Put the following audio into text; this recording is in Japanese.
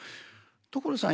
所さん